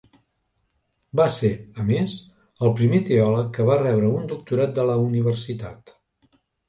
Va ser, a més, el primer teòleg que va rebre un doctorat de la universitat.